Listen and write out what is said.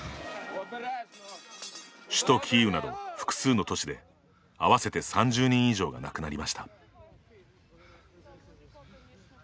首都キーウなど複数の都市で合わせて３０人以上が亡くなりました。